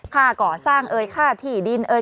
ค่าก่อสร้างเอ่ยค่าที่ดินเอ่